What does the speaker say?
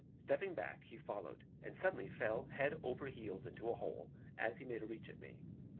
Stepping back, he followed, and suddenly fell over head and ears into a hole, as he made a reach at me.